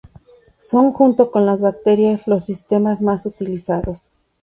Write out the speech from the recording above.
Son junto con las bacterias los sistemas más utilizados.